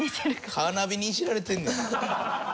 カーナビにいじられてんねや。